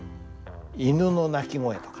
犬の鳴き声とか？